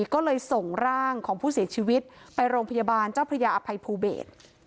ก็เลยส่งร่างของผู้เสียชีวิตไปโรงพยาบาลเจ้าพระยาอภัยภูเบศ